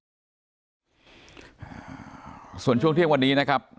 ส่วนช่วงเที่ยงวันนี้นะครับ